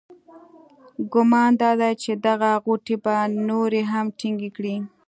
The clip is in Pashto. ګمان دادی چې دغه غوټې به نورې هم ټینګې کړي.